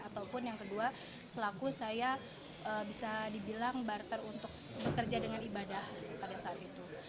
ataupun yang kedua selaku saya bisa dibilang barter untuk bekerja dengan ibadah pada saat itu